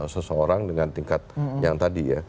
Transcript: seseorang dengan tingkat yang tadi ya